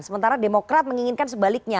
sementara demokrat menginginkan sebaliknya